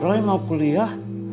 roy mau kuliah